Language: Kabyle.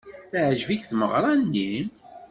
Teɛjeb-ik tmeɣra-nni?